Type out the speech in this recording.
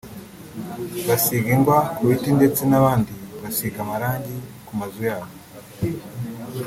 basiga ingwa ku biti ndetse n’abandi basiga amarangi ku mazu yabo